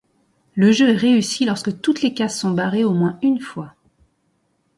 Le jeu est réussi lorsque toutes les cases sont barrées au moins une fois.